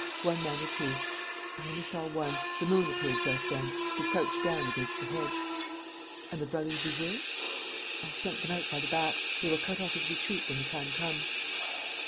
"One man or two?" "I only saw one ... the moon appeared just then ... he crouched down against a hedge." "And the brothers Doudeville?" "I sent them out by the back. They will cut off his retreat when the time comes."